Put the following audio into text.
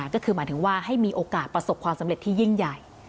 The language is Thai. ก็คือหมายถึงว่าให้มีโอกาสประสบความสำเร็จที่ยิ่งใหญ่